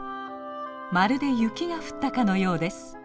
まるで雪が降ったかのようです。